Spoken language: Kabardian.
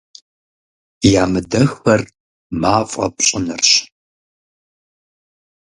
Ямыдэххэр мафӀэ пщӀынырщ.